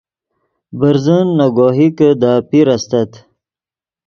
برزن نے گوہکے دے اپیر استت